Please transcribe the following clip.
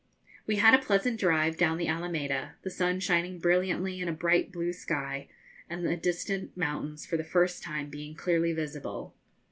We had a pleasant drive down the Alameda, the sun shining brilliantly in a bright blue sky, and the distant mountains for the first time being clearly visible.